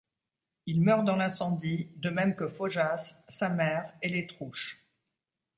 Il meurt dans l’incendie, de même que Faujas, sa mère et les Trouche.